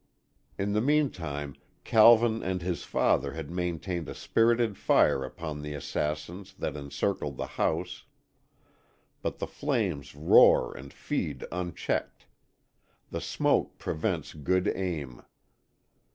In the meantime, Calvin and his father had maintained a spirited fire upon the assassins that encircled the house. But the flames roar and feed unchecked. The smoke prevents good aim.